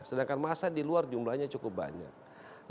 sedangkan masa di luar jumlahnya cukup banyak